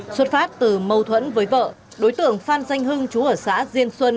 xuất phát từ mâu thuẫn với vợ đối tượng phan danh hưng chú ở xã diên xuân